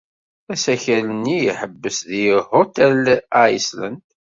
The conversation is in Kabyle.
Asakal-nni iḥebbes deg Hotel Iceland.